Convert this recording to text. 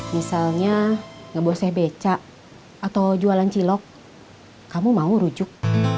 misalnya ngeboseh beca atau jualan cilok kamu mau rujuk